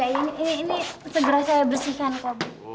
ini segera saya bersihkan kak bu